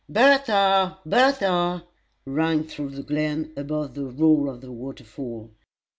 "Bertha! Bertha!" rang through the glen, above the roar of the waterfall.